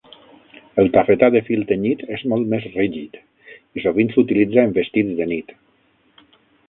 El tafetà de fil tenyit és molt més rígid i sovint s'utilitza en vestits de nit.